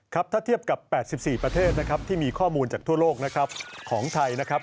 ครับถ้าเทียบกับ๘๔ประเทศนะครับที่มีข้อมูลจากทั่วโลกนะครับของไทยนะครับ